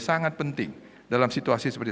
sangat penting dalam situasi seperti